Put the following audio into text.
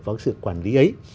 vào sự quản lý ấy